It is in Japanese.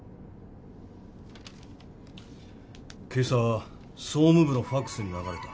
今朝総務部のファクスに流れた。